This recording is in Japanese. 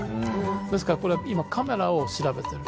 ですからこれは今カメラを調べてる。